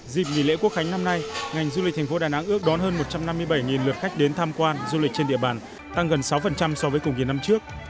dịp nghỉ lễ quốc khánh năm nay ngành du lịch thành phố đà nẵng ước đón hơn một trăm năm mươi bảy lượt khách đến tham quan du lịch trên địa bàn tăng gần sáu so với cùng kỳ năm trước